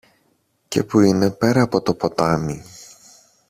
και που είναι πέρα από το ποτάμι.